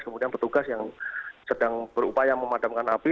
kemudian petugas yang sedang berupaya memadamkan api